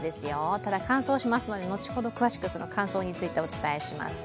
ただ乾燥しますので後ほど詳しく感想についてお伝えします。